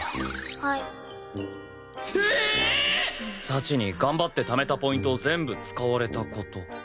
幸に頑張ってためたポイントを全部使われた事。